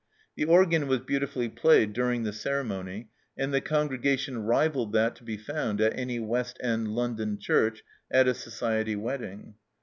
The organ was beautifully played during the ceremony, and the congregation rivalled that to be found at any West End London church at a society wedding.